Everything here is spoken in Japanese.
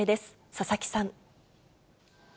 佐々木さん。